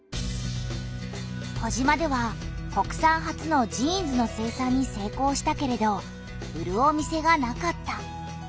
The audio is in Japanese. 児島では国産初のジーンズの生産に成功したけれど売るお店がなかった。